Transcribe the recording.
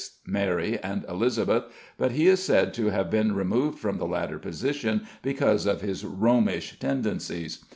Mary, and Elizabeth, but he is said to have been removed from the latter position because of his Romish tendencies.